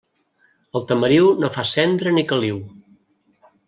El tamariu no fa cendra ni caliu.